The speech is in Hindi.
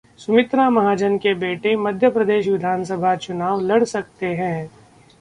सुमित्रा महाजन के बेटे मध्य प्रदेश विधानसभा चुनाव लड़ सकते हैं